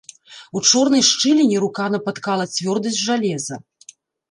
У чорнай шчыліне рука напаткала цвёрдасць жалеза.